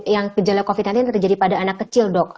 yang gejala covid nanti terjadi pada anak kecil dok